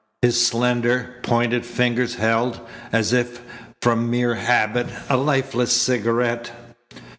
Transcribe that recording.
His slender, pointed fingers held, as if from mere habit, a lifeless cigarette.